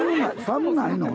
寒ないの？